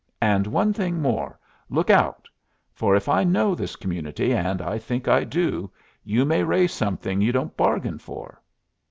And one thing more: Look out! For if I know this community, and I think I do, you may raise something you don't bargain for."